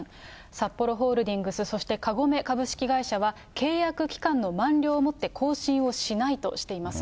サッポロホールディングス、そしてカゴメ株式会社は、契約期間の満了をもって更新をしないとしています。